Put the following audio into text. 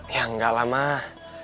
ya gak lah mah